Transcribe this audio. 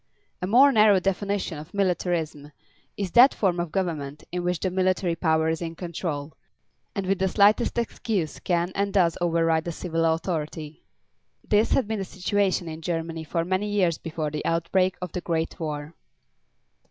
A more narrow definition of militarism is that form of government in which the military power is in control, and with the slightest excuse can and does override the civil authority. This had been the situation in Germany for many years before the outbreak of the Great War.